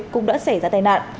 cũng đã xảy ra tai nạn